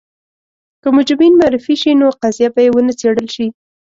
که مجرمین معرفي شي نو قضیه به یې ونه څېړل شي.